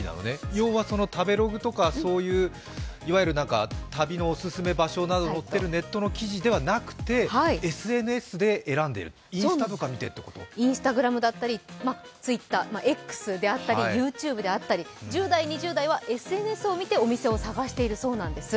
要は食べログとか、いわゆる旅のオススメ場所などが載っているネットの記事ではなくてＳＮＳで選んでいる、インスタであったり、Ｔｗｉｔｔｅｒ、Ｘであったり、ＹｏｕＴｕｂｅであったり、１０代２０代はＳＮＳを見てお店を探しているそうなんです。